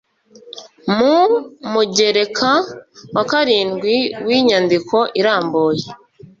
mu mugereka wa karindwi w'inyandiko irambuye